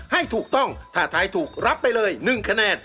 ให้ถูกต้องถ้าทายถูกรับไปเลย๑คะแนน